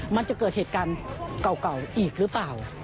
มันจะเกิดเหตุการณ์เก่าอีกหรือเปล่า